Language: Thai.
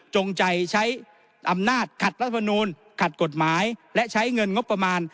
จงใจใช้อำนาจขัดรัฐมนูลขัดกฎหมายและใช้เงินงบประมาณ